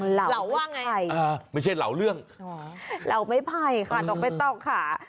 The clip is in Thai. เหลาว่าไงอ่าไม่ใช่เหลาเรื่องอ๋อเหลาไม่ไพ่ค่ะนอกไม่ต้องค่ะ